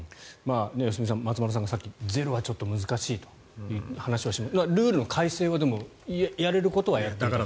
良純さん松丸さんがさっきゼロはちょっと難しいという話はしましたがルールの改正はやれることはやっていると。